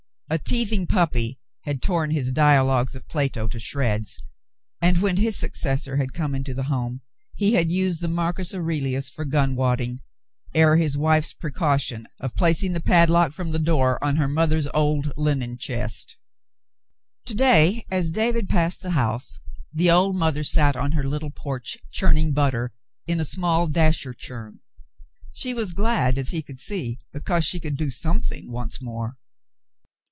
A teething puppy had torn his Dialogues of Plato to shreds, and when his successor had come into the home, he had used the Marcus Aurelius for gun wadding, ere his wife's precaution of placing the padlock from the door on her mother's old linen chest. To day, as David passed the house, the old mother sat on her little p(5rch churning butter in a small dasher churn. She was glad, as he could see, because she could do some thing once more.